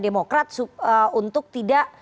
demokraat untuk tidak